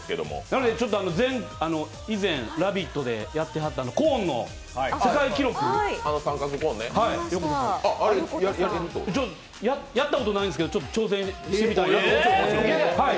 なので以前、「ラヴィット！」でやってはったコーンの世界記録、やったことないんですけど、ちょっと挑戦してみたいなと。